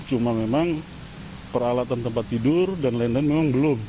cuma memang peralatan tempat tidur dan lain lain memang belum